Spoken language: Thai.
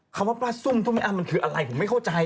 คำว่าปลาซุ่มต้มแม่อ้ำมันคืออะไรผมไม่เข้าใจ